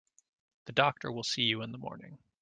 The doctor will see you in the morning.